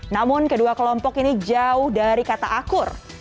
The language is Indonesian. namun kedua kelompok ini jauh dari kata akur